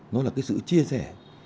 nó là cái sự chia sẻ